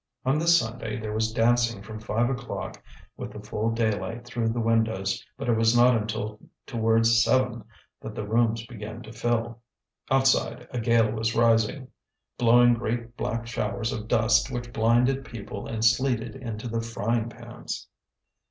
On this Sunday there was dancing from five o'clock with the full daylight through the windows, but it was not until towards seven that the rooms began to fill. Outside, a gale was rising, blowing great black showers of dust which blinded people and sleeted into the frying pans.